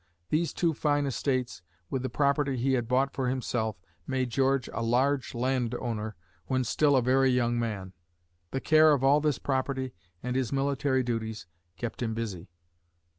These two fine estates, with the property he had bought for himself, made George a large land owner when still a very young man. The care of all this property and his military duties kept him busy.